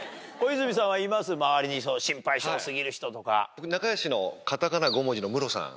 僕仲良しの片仮名５文字のムロさん。